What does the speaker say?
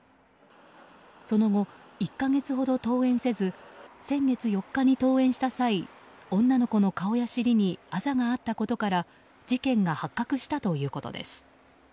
その後、１か月ほど登園せず先月４日に登園した際女の子の顔や尻にあざがあったことから事件が発覚したということです。